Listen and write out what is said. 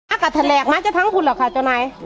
อากาศแหลกมาชะมัดพุนหรือคะเจ้าหน่าย